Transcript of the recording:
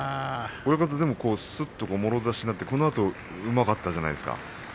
親方は、すっともろ差しになってこのあとうまかったじゃないですか。